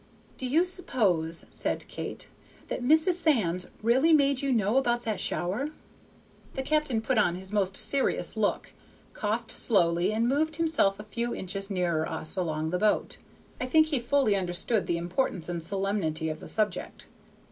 "Do you suppose," said Kate, "that Mrs. Sands really made you know about that shower?" The captain put on his most serious look, coughed slowly, and moved himself a few inches nearer us, along the boat. I think he fully understood the importance and solemnity of the subject.